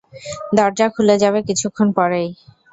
দরজা খুলে যাবে কিছুক্ষণ পরেই।